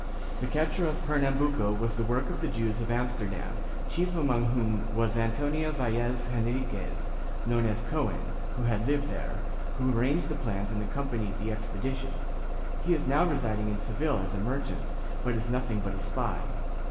The capture of Pernambuco * Verdades Cath61icas, § 4, n. 4. 280 JEWS [Book VIII was the work of the Jews of Amsterdam, chief among whom was Antonio Vaez Henriquez, known as Cohen, who had hved there, who arranged the plans and accompanied the expedition; he is now residing in Seville as a merchant, but is nothing but a spy.